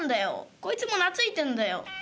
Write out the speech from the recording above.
こいつも懐いてんだよ」。